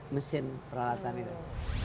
mesin peralatan itu